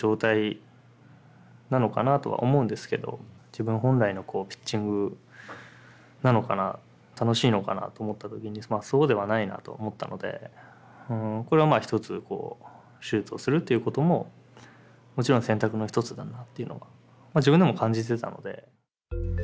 自分本来のピッチングなのかな楽しいのかなと思った時にそうではないなと思ったのでこれはまあ一つ手術をするということももちろん選択の一つだなというのが自分でも感じてたので。